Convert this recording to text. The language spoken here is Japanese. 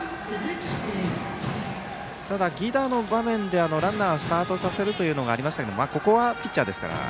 ただ、犠打の場面でランナースタートさせることがありましたけれどもここはピッチャーですから。